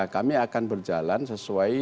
kami akan berjalan sesuai